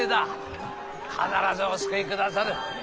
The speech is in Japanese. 必ずお救いくださる。